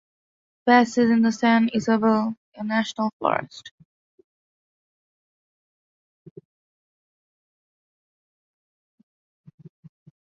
The pass is in the San Isabel National Forest.